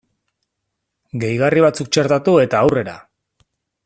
Gehigarri batzuk txertatu eta aurrera!